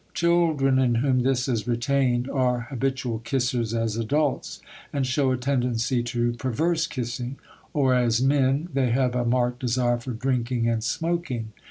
Children in whom this is retained are habitual kissers as adults and show a tendency to perverse kissing, or as men they have a marked desire for drinking and smoking.